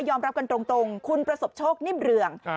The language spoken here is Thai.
รับกันตรงคุณประสบโชคนิ่มเรือง